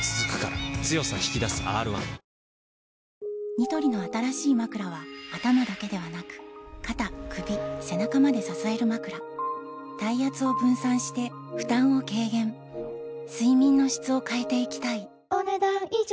ニトリの新しいまくらは頭だけではなく肩・首・背中まで支えるまくら体圧を分散して負担を軽減睡眠の質を変えていきたいお、ねだん以上。